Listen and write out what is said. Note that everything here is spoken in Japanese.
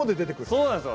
そうなんですよ。